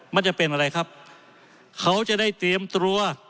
มันจะเป็นอะไรครับเขาจะได้เตรียมตัว